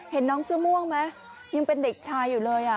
เห็นน้องเสื้อม่วงไหมยังเป็นเด็กชายอยู่เลย